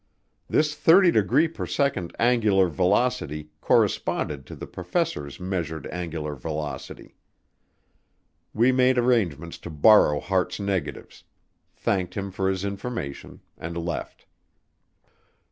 This 30 degree per second angular velocity corresponded to the professors' measured angular velocity. We made arrangements to borrow Hart's negatives, thanked him for his information, and left.